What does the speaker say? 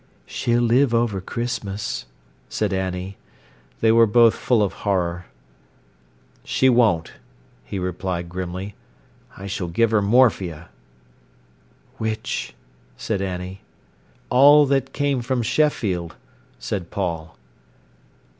"She'll live over Christmas," said Annie. They were both full of horror. "She won't," he replied grimly. "I s'll give her morphia." "Which?" said Annie. "All that came from Sheffield," said Paul.